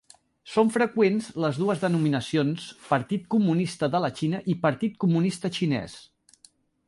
Són freqüents les dues denominacions Partit Comunista de la Xina i Partit Comunista Xinès.